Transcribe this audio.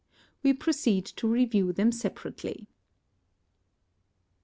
We proceed to review them separately.